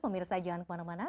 memirsa jangan kemana mana